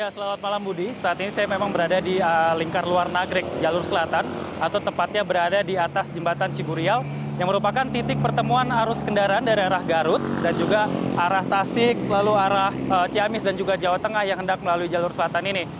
selamat malam budi saat ini saya memang berada di lingkar luar nagrek jalur selatan atau tepatnya berada di atas jembatan ciburial yang merupakan titik pertemuan arus kendaraan dari arah garut dan juga arah tasik lalu arah ciamis dan juga jawa tengah yang hendak melalui jalur selatan ini